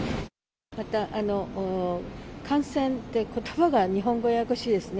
また、かんせんってことばが、日本語、ややこしいですね。